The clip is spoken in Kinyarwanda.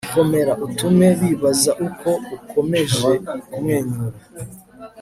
komera, utume bibaza uko ukomeje kumwenyura